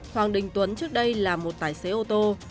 hoàng đình tuấn trước đây là một tài xế ô tô